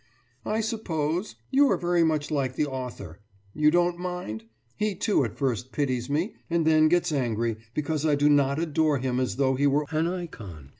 »I suppose you are very much like the author. You don't mind? He too at first pities me, and then gets angry, because I do not adore him as though he were an icon.